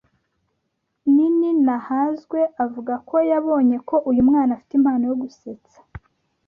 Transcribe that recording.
Nininahazwe avuga ko yabonye ko uyu mwana afite impano yo gusetsa